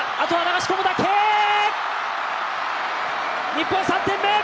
日本、３点目！